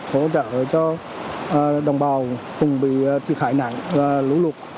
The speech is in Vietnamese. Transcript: hỗ trợ cho đồng bào cùng bị trị khai nạn lũ luộc